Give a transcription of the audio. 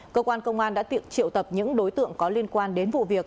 cơ quan công an đã triệu tập những đối tượng có liên quan đến vụ việc